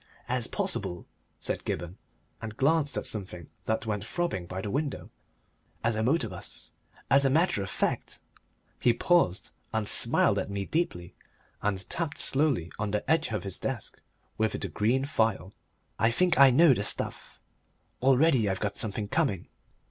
"As possible," said Gibberne, and glanced at something that went throbbing by the window, "as a motor bus. As a matter of fact " He paused and smiled at me deeply, and tapped slowly on the edge of his desk with the green phial. "I think I know the stuff.... Already I've got something coming."